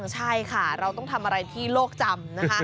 ใช่ค่ะเราต้องทำอะไรที่โลกจำนะคะ